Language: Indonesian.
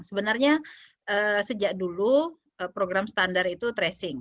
sebenarnya sejak dulu program standar itu tracing